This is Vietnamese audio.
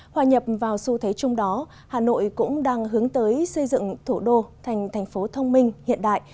hòa nhập vào xu thế chung đó hà nội cũng đang hướng tới xây dựng thủ đô thành thành phố thông minh hiện đại